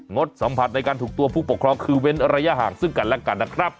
งดสัมผัสในการถูกตัวผู้ปกครองคือเว้นระยะห่างซึ่งกันและกันนะครับ